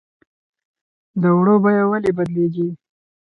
د اوړو بیه ولې بدلیږي؟